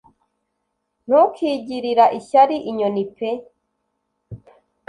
Ntukigirira ishyari inyoni pe .